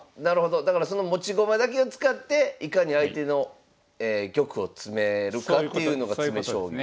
だからその持ち駒だけを使っていかに相手の玉を詰めるかっていうのが詰将棋ですね。